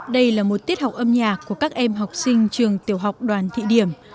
đây là một tiết học âm nhạc của các em học sinh trường tiểu học đoàn thị điểm